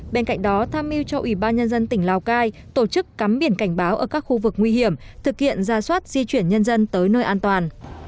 bên cạnh đó tham mưu cho ủy ban nhân dân tỉnh lào cai tổ chức cắm biển cảnh báo ở các khu vực nguy hiểm thực hiện ra soát di chuyển nhân dân tới nơi an toàn